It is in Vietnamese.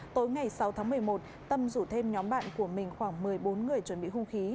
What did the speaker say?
tối ngày sáu tháng một mươi một tâm rủ thêm nhóm bạn của mình khoảng một mươi bốn người chuẩn bị hung khí